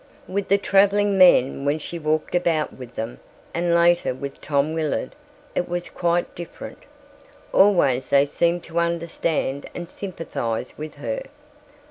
With the traveling men when she walked about with them, and later with Tom Willard, it was quite different. Always they seemed to understand and sympathize with her.